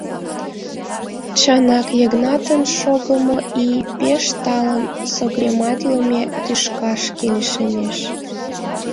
Чынак, Йыгнатын шогымо ий пеш талын согремалтше тӱшкашке лишемеш.